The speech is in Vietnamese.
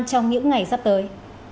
trong những ngày sắp tới